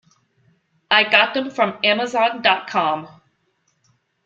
I got them from Amazon dot com.